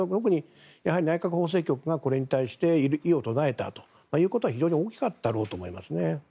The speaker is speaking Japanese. やはり内閣法制局がこれに対して異を唱えたということは非常に大きかったと思いますね。